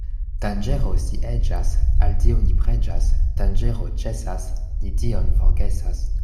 Danĝero sieĝas, al Dio ni preĝas; danĝero ĉesas, ni Dion forgesas.